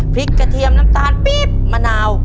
กระเทียมน้ำตาลปี๊บมะนาว